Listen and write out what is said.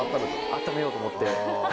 温めようと思って。